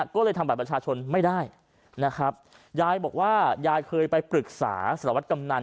ก็เลยทำบัตรประชาชนไม่ได้นะครับยายบอกว่ายายเคยไปปรึกษาสารวัตรกำนัน